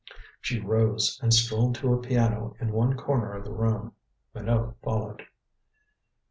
She rose and strolled to a piano in one corner of the room. Minot followed.